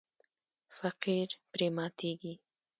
فقیر پرې ماتیږي.